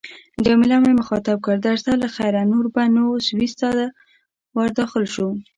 جميله مې مخاطب کړ: درځه له خیره، نور به نو سویس ته ورداخل شو.